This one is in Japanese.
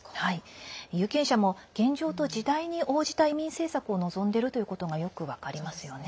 有権者も現状と時代に応じた移民政策を望んでいることがよく分かりますね。